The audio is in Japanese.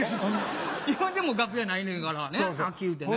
呼んでも楽屋ないねんからねはっきり言うてね。